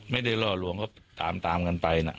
ไม่ได้ล่อหลวงก็ตามตามกันไปน่ะ